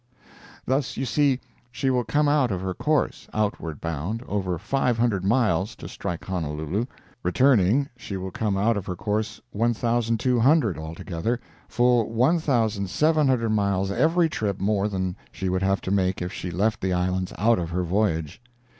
Thus, you see, she will come out of her course, outward bound, over five hundred miles, to strike Honolulu; returning, she will come out of her course 1,200 altogether, full 1,700 miles every trip more than she would have to make if she left the islands out of her voyage.